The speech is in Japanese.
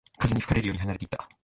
風に吹かれるように離れていった